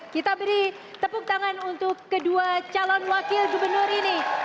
kita beri tepuk tangan untuk kedua calon wakil gubernur ini